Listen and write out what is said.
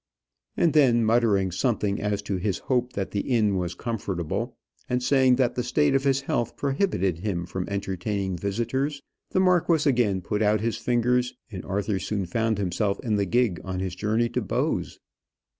And then, muttering something as to his hope that the inn was comfortable, and saying that the state of his health prohibited him from entertaining visitors, the marquis again put out his fingers, and Arthur soon found himself in the gig on his journey to Bowes.